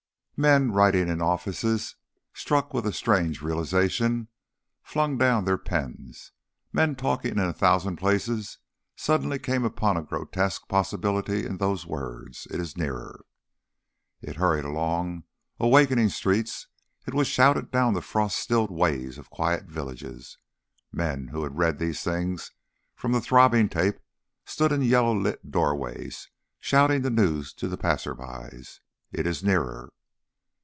Men writing in offices, struck with a strange realisation, flung down their pens, men talking in a thousand places suddenly came upon a grotesque possibility in those words, "It is nearer." It hurried along awakening streets, it was shouted down the frost stilled ways of quiet villages, men who had read these things from the throbbing tape stood in yellow lit doorways shouting the news to the passers by. "It is nearer."